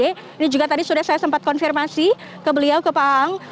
ini juga tadi sudah saya sempat konfirmasi ke beliau ke pak aang